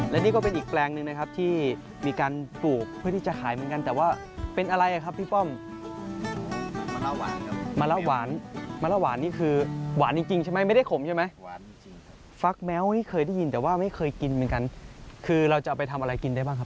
และนี่ก็เป็นอีกแปลงหนึ่งนะครับ